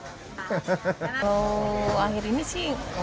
kalau akhir ini sih enggak sih